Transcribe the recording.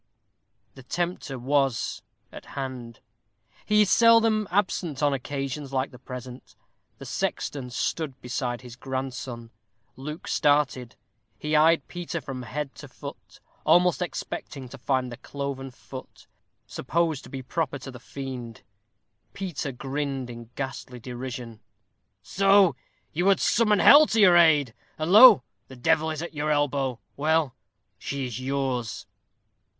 The Tempter was at hand. He is seldom absent on occasions like the present. The sexton stood beside his grandson. Luke started. He eyed Peter from head to foot, almost expecting to find the cloven foot, supposed to be proper to the fiend. Peter grinned in ghastly derision. "Soh! you would summon hell to your aid; and lo! the devil is at your elbow. Well, she is yours."